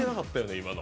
今の。